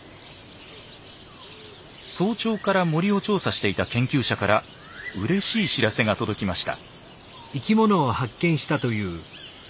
早朝から森を調査していた研究者からうれしい知らせが届きました。